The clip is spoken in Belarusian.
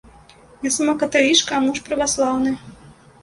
Я сама каталічка, а муж праваслаўны.